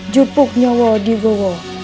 jepuknya di bawah